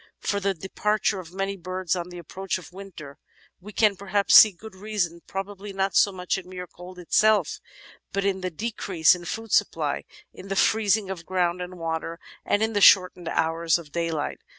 For the departure of Natural Histoiy 429 many birds on the approach of winter we can perhaps see good reason, probably not so much in mere cold itself , but in the de crease in food supply, in the freezing of ground and water, and in the shortened hours of daylight.